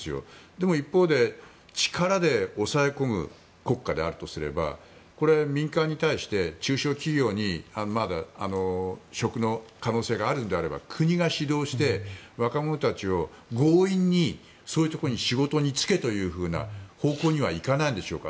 でも一方で力で抑え込む国家であるとすれば民間に対して中小企業にまだ職の可能性があるのであれば国が指導して若者たちを強引に仕事に就けという方向にはいかないんでしょうか。